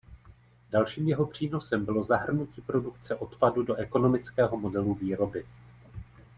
Dalším jeho přínosem bylo zahrnutí produkce odpadu do ekonomického modelu výroby.